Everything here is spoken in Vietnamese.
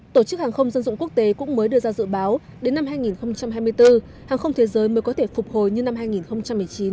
tổ chức hàng không dân dụng quốc tế cũng mới đưa ra dự báo đến năm hai nghìn hai mươi bốn hàng không thế giới mới có thể phục hồi như năm hai nghìn một mươi chín